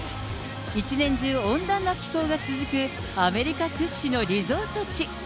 １年中温暖な気候が続く、アメリカ屈指のリゾート地。